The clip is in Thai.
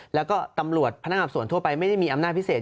แล้วก็ตำรวจพนักงานส่วนทั่วไปไม่ได้มีอำนาจพิเศษ